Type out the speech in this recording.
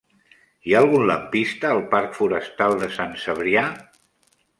Hi ha algun lampista al parc Forestal de Sant Cebrià?